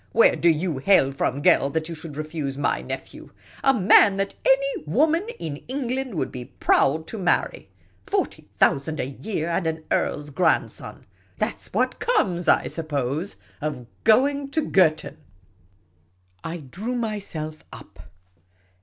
Where do you hail from, girl, that you should refuse my nephew ? A man that any woman in England would be proud to marry ! Forty thousand a j'ear, and an earl's grandson ! That 's what comes, I suppose, of going to Girton !" I drew myself up.